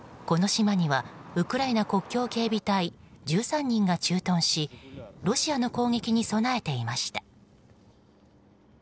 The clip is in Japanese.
この島にはウクライナ国境警備隊１３人が駐屯しロシアの攻撃に備えていました。